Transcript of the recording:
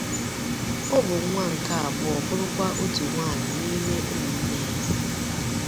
Ọ bụ nwa nke abụọ bụrụkwa otu nwanyi n'ime ụmụ nne ya.